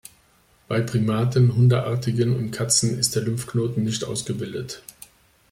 Bei Primaten, Hundeartigen und Katzen ist der Lymphknoten nicht ausgebildet.